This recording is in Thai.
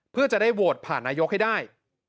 เพื่อจะได้โหวตผ่านนายกให้ได้